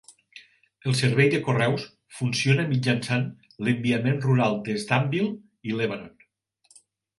El servei de correus funciona mitjançant l'enviament rural des d'Annville i Lebanon.